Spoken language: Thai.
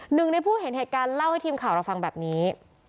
หนึ่งในผู้เห็นเหตุการณ์เล่าให้ทีมข่าวเราฟังแบบนี้